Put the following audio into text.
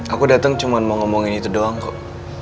aku datang cuma mau ngomongin itu doang kok